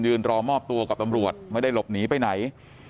รอมอบตัวกับตำรวจไม่ได้หลบหนีไปไหน